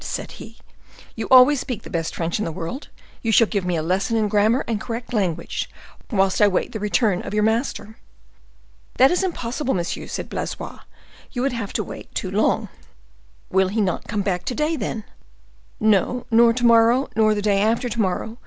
said he. "You always speak the best French in the world; you shall give me a lesson in grammar and correct language, whilst I wait the return of your master." "That is impossible, monsieur," said Blaisois; "you would have to wait too long." "Will he not come back to day, then?" "No, nor to morrow, nor the day after to morrow.